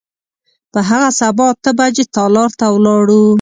په هغه سبا اته بجې تالار ته ولاړو.